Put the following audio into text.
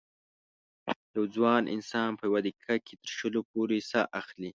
یو ځوان انسان په یوه دقیقه کې تر شلو پورې سا اخلي.